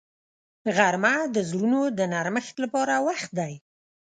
غرمه د زړونو د نرمښت لپاره وخت دی